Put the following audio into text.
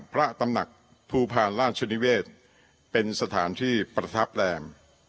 พระตำหนักภูพาลราชนิเวศเป็นสถานที่ประทับแรม